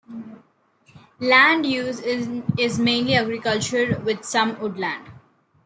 Land use is mainly agricultural with some woodland.